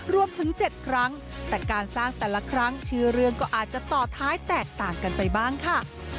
รวมถึง๗ครั้งแต่การสร้างแต่ละครั้งชื่อเรื่องก็อาจจะต่อท้ายแตกต่างกันไปบ้างค่ะ